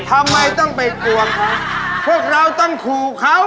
ทำไมต้องไปกลัวเขาพวกเราต้องขู่เขา